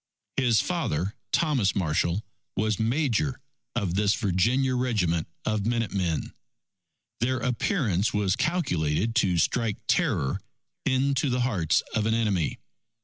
His father Thomas Marshall was Major of this Virginia regiment of Minute Men. Their appearance was calculated to strike terror into the hearts of an enemy.